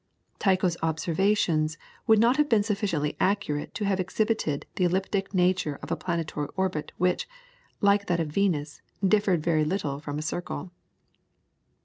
Tycho's observations would not have been sufficiently accurate to have exhibited the elliptic nature of a planetary orbit which, like that of Venus, differed very little from a circle.